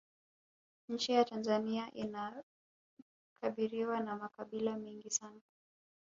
nchi ya tanzania inakabiriwa na makabila mengi sana